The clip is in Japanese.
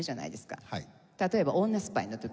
例えば女スパイの時。